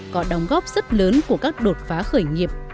có đóng góp rất lớn của các đột phá khởi nghiệp